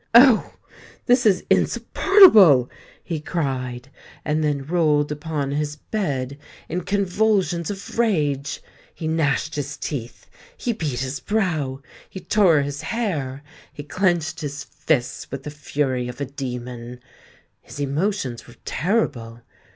"Oh! this is insupportable!" he cried, and then rolled upon his bed in convulsions of rage: he gnashed his teeth—he beat his brow—he tore his hair—he clenched his fists with the fury of a demon. His emotions were terrible.